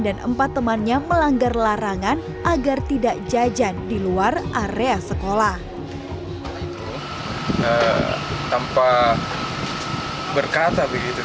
dan empat temannya melanggar larangan agar tidak jajan di luar area sekolah tanpa berkata begitu